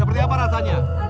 seperti apa rasanya